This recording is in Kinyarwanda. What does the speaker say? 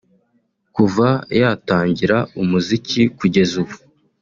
Kuva yatangira umuziki kugeza ubu